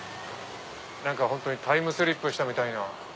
本当にタイムスリップしたみたいな。